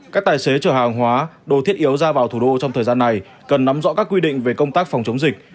các tài xế chở hàng hóa đồ thiết yếu ra vào thủ đô trong thời gian này cần nắm rõ các quy định về công tác phòng chống dịch